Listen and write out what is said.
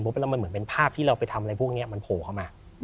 แล้วมันเหมือนเป็นภาพที่เราไปทำอะไรพวกนี้มันโผล่เข้ามา